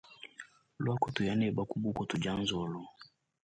Luaku tuya neba ku buku tudia nzolo.